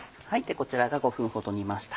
こちらが５分ほど煮ました。